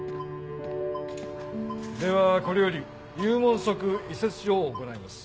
ではこれより幽門側胃切除を行います。